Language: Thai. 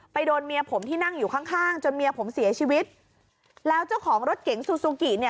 โดนเมียผมที่นั่งอยู่ข้างข้างจนเมียผมเสียชีวิตแล้วเจ้าของรถเก๋งซูซูกิเนี่ย